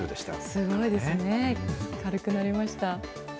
すごいですね、軽くなりました。